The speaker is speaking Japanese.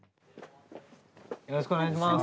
よろしくお願いします。